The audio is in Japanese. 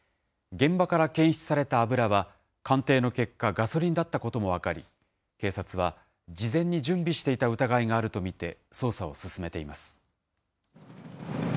現場から検出された油は鑑定の結果、ガソリンだったことも分かり、警察は事前に準備していた疑いがあると見て捜査を進めています。